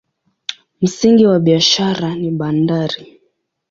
Msingi wa biashara ni bandari.